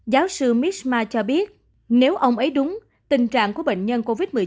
giáo sư misma cho biết nếu ông ấy đúng tình trạng của bệnh nhân covid một mươi chín